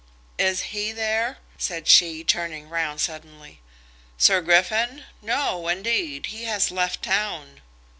"Is he there?" said she, turning round suddenly. "Sir Griffin? no indeed. He has left town."